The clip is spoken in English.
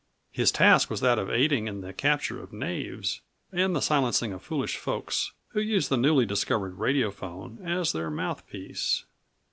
His task was that of aiding in the capture of knaves and the silencing of foolish folks who used the newly discovered radiophone as their mouthpiece.